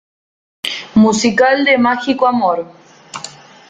Musical De Mágico Amor.